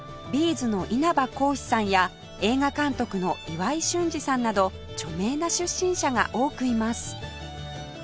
’ｚ の稲葉浩志さんや映画監督の岩井俊二さんなど著名な出身者が多くいます